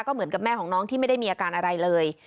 เหมือนกับแม่ของน้องที่ไม่ได้มีอาการอะไรเลย